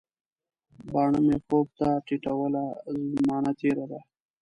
باڼه مي خوب ته ټیټوله، زمانه تیره ده